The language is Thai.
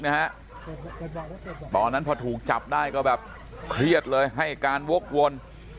ตอนนั้นพอถูกจับได้ก็แบบเครียดเลยให้การวกวน